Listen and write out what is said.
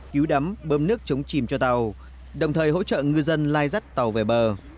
cứu đắm bơm nước chống chìm cho tàu đồng thời hỗ trợ ngư dân lai rắt tàu về bờ